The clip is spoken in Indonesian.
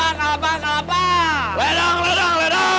sampai jumpa di video selanjutnya